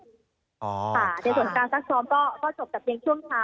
ในส่วนของการซักซ้อมก็จบแต่เพียงช่วงเช้า